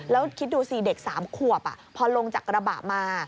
แล้วคิดดูสิเด็ก๓ขวบพอลงจากกระบะมา